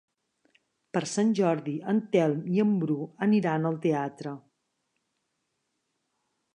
Per Sant Jordi en Telm i en Bru aniran al teatre.